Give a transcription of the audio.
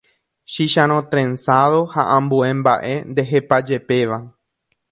Chicharõ trenzado ha ambue mba'e ndehepajepéva